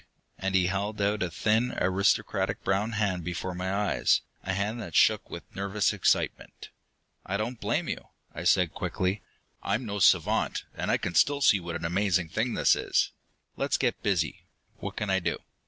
And he held out a thin, aristocratic brown hand before my eyes, a hand that shook with nervous excitement. "I don't blame you," I said quickly. "I'm no savant, and still I see what an amazing thing this is. Let's get busy. What can I do?"